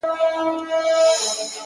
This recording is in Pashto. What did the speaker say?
نن به توره د خوشحال راوړي رنګونه!!